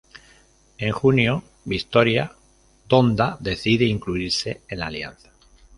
En junio Victoria Donda decide incluirse en la alianza.